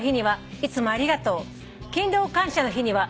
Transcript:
いつもありがとう』」